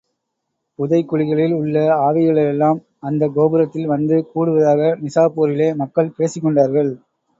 புதை குழிகளில் உள்ள ஆவிகளெல்லாம் அந்தக் கோபுரத்தில் வந்து கூடுவதாக நிசாப்பூரிலே மக்கள் பேசிக் கொண்டார்கள்.